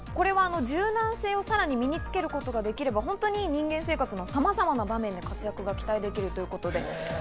柔軟性をさらに身につけることができれば人間生活のさまざまな場面で活躍が期待できるということですね。